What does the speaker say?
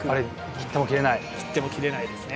切っても切れないですね。